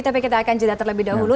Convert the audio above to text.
tapi kita akan jeda terlebih dahulu